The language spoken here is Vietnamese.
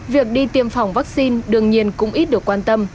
việc đi tiêm phòng vaccine đương nhiên cũng ít được quan tâm